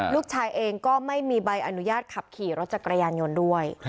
ลูกชายเองก็ไม่มีใบอนุญาตขับขี่รถจักรยานยนต์ด้วย